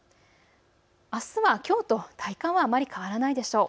あすはきょうと体感はあまり変わらないでしょう。